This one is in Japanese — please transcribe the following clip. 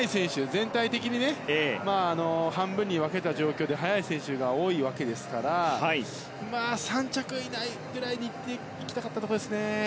全体的に、半分に分けた状況で速い選手が多いわけですから３着以内ぐらいでいきたかったところですね。